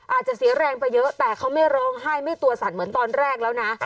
อาจจะเสียแรงไปเยอะแต่เขาไม่ร้องไห้ไม่ตัวสั่นเหมือนตอนแรกแล้วนะ